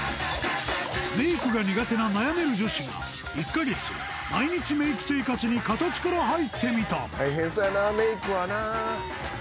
メイクが苦手な悩める女子が１か月毎日メイク生活に形から入ってみた大変そうやなメイクはな